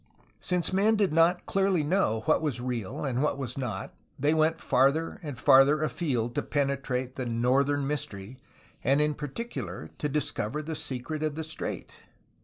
Since men did not clearly know what was real and what was not, they went farther and farther afield to penetrate the "northern mystery'' and in particular to discover the secret of the strait.